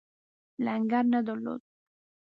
لنګر نه درلود.